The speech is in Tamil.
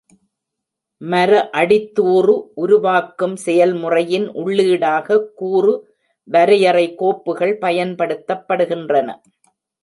மர அடித்தூறு உருவாக்கும் செயல்முறையின் உள்ளீடாக கூறு வரையறை கோப்புகள் பயன்படுத்தப்படுகின்றன.